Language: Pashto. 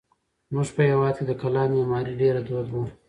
زموږ په هېواد کې د کلا معمارۍ ډېره دود وه.